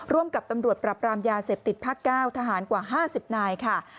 ร่วมกับตำรวจปรับรามยาเสพติดภาค๙ทหารกว่า๕๐นายค่ะ